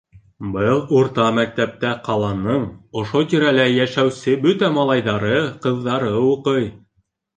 Был урта мәктәптә ҡаланың ошо тирәлә йәшәүсе бөтә малайҙары, ҡыҙҙары уҡый.